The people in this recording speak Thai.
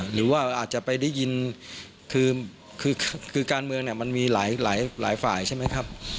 หรือว่าอาจจะไปได้ยินคือการเมืองมันมีหลายฝ่ายใช่ไหมครับ